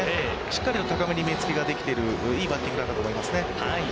しっかりと高めに目つけができているいいバッティングだったと思いますね。